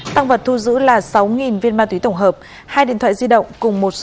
tăng vật thu giữ là sáu viên ma túy tổng hợp hai điện thoại di động